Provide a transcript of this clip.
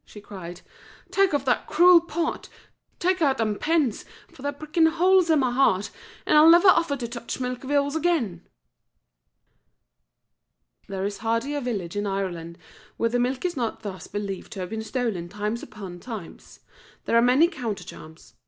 she cried. "Tak off that cruel pot! Tak out them pins, for they're pricking holes in my heart, an' I'll never offer to touch milk of yours again." [There is hardly a village in Ireland where the milk is not thus believed to have been stolen times upon times. There are many counter charms.